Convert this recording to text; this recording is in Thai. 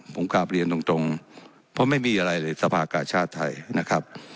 ผมกลับเรียนตรงเพราะไม่มีอะไรเลยสภากาชาติไทยนะครับ